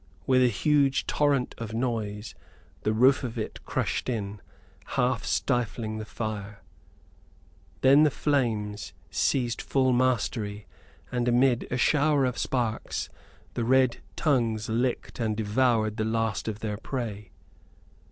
With a huge torrent of noise the roof of it crushed in, half stifling the fire. Then the flames seized full mastery; and amid a shower of sparks, the red tongues licked and devoured the last of their prey.